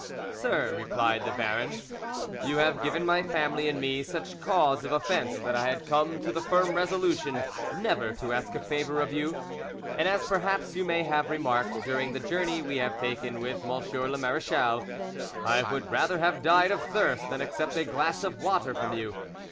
"Sir," replied the baron, "you have given my family and me such cause of offence that I had come to the firm resolution never to ask a favour of you, and as perhaps you may have remarked during the journey we have taken with M. le marechal, I would rather have died of thirst than accept a glass of water from you.